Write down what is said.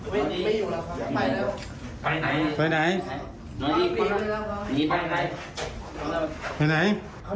ไปกับใครต้องใช้ช่วงเดียว